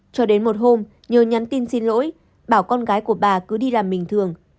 cho đến một hôm nhờ nhắn tin xin lỗi bảo con gái của bà cứ đi làm bình thường